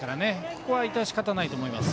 ここは致し方ないと思います。